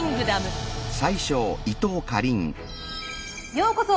ようこそ！